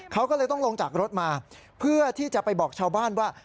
เขาก็เลยต้องลงจากรถมาเพื่อที่จะไปบอกชาวบ้านว่า